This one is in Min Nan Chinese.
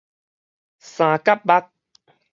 三角目